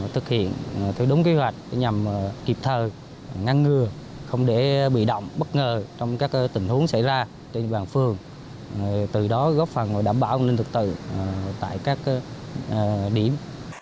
từ đó góp phần và đảm bảo an toàn trật tự tại các điểm